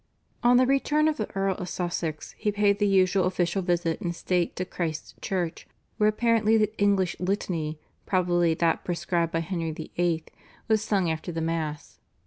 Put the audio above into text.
On the return of the Earl of Sussex he paid the usual official visit in state to Christ's Church, where apparently the English Litany (probably that prescribed by Henry VIII.) was sung after the Mass.